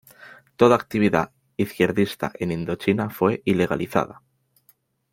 Toda actividad izquierdista en Indochina fue ilegalizada.